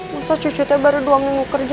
masa cucu itu baru dua minggu kerja